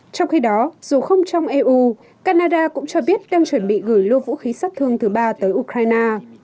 trong khi đó dù không trong eu canada cũng cho biết đang chuẩn bị gửi lô vũ khí sát thương thứ ba tới ukraine